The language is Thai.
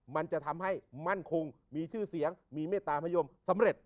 มันจะทำให้มั่นคงมีชื่อเสียงมีเมตตาพยมสำเร็จ